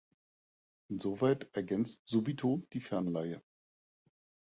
Insoweit ergänzt Subito die Fernleihe.